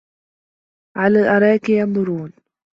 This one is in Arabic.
عَلَى الأَرائِكِ يَنظُرونَ